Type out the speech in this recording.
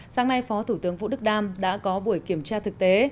sáng nay phó thủ tướng vũ đức đam đã có buổi kiểm tra thực tế